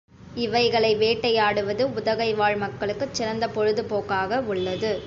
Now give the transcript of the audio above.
இவைகளை வேட்டையாடுவது, உதகை வாழ் மக்களுக்குச் சிறந்த பொழுது போக்காக உள்ளது.